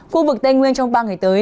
khu vực tây nguyên trong ba ngày tới